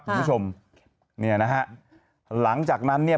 คุณผู้ชมเนี่ยนะฮะหลังจากนั้นเนี่ย